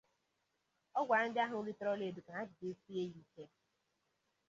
Ọ gwara ndị ahụ ritere ọlaedo ka ha jidesie ya ike